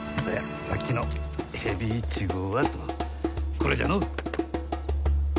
これじゃのう。